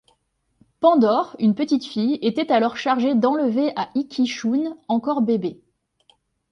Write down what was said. Pandore, une petite fille, était alors chargée d’enlever à Ikki Shun, encore bébé.